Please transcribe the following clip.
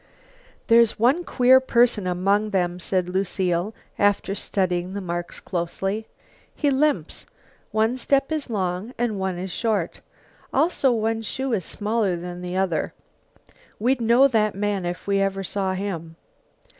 "There's one queer person among them," said Lucile, after studying the marks closely. "He limps; one step is long and one short, also one shoe is smaller than the other. We'd know that man if we ever saw him."